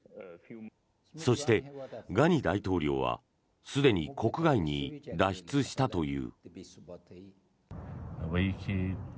そして、ガニ大統領はすでに国外に脱出したという。